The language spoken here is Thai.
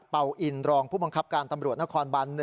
เป่าอินรองผู้บังคับการตำรวจนครบัน๑